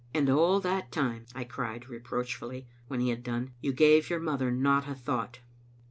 "And all that time," I cried reproachfully, when he had done, "you gave your mother not a thought."